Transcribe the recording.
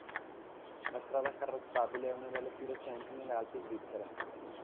La strada carrozzabile è una delle più recenti nelle Alpi svizzere.